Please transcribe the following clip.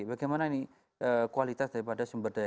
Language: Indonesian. bagaimana ini kualitas daripada sumber daya